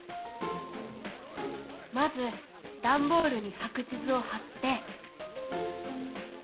まずダンボールに白地図を貼って！